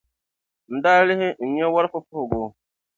n daa lihi, n nya wɔr' fufuhigu.